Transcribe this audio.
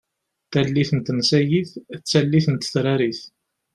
Tallit n tensayit d tallit n tetrarit.